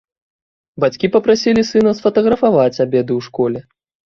Бацькі папрасілі сына сфатаграфаваць абеды ў школе.